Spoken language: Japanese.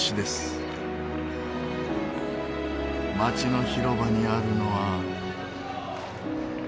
街の広場にあるのは。